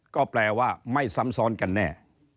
ก็แปลว่าไม่ซ้ำซ้อนกันแน่